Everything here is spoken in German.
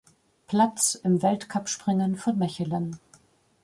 Platz im Weltcupspringen von Mechelen.